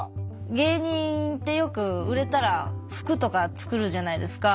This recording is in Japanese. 芸人ってよく売れたら服とか作るじゃないですか。